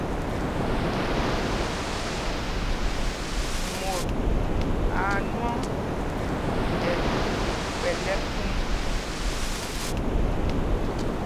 Mot aa nwɔŋ ɛ ɓu kpɛl ɛkúm.